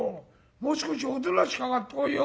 もう少しおとなしく上がってこいよ。